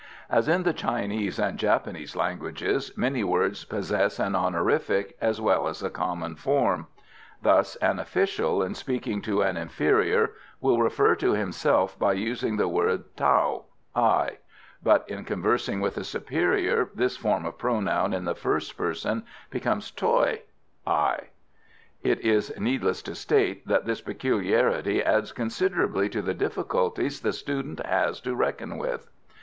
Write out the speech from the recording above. As in the Chinese and Japanese languages many words possess an honorific as well as a common form. Thus an official, in speaking to an inferior, will refer to himself by using the word tao (I); but in conversing with a superior this form of pronoun in the first person becomes toy (I). It is needless to state that this peculiarity adds considerably to the difficulties the student has to reckon with.